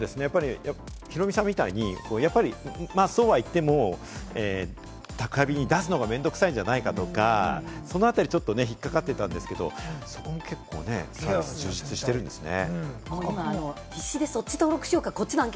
ヒロミさんみたいに、そうは言っても宅配便に出すのが面倒くさいんじゃないかとか、その辺り引っかかってたんですけれども、そこも結構ね、充実してるんですね。